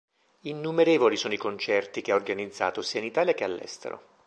Innumerevoli sono i concerti che ha organizzato sia in Italia che all'Estero.